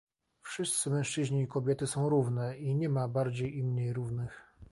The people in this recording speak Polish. Wszyscy mężczyźni i kobiety są równe, i nie ma bardziej i mniej równych